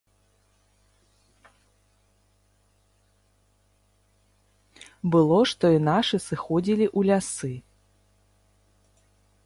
Было, што і нашы сыходзілі ў лясы.